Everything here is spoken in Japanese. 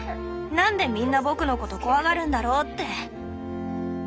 なんでみんな僕のこと怖がるんだろうって。